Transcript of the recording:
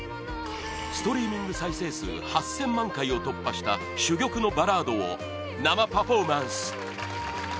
ストリーミング再生数８０００万回を突破した珠玉のバラードを生パフォーマンス！